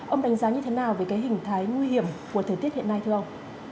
ông đánh giá như thế nào về cái hình thái nguy hiểm của thời tiết hiện nay thưa ông